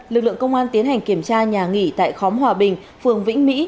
lực lượng công an tiến hành kiểm tra nhà nghỉ tại khóm hòa bình phường vĩnh mỹ